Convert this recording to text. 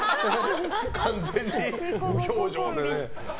完全に無表情で。